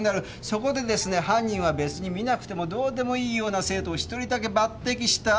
そこでですね犯人は別に見なくてもどうでもいいような生徒を１人だけ抜てきした。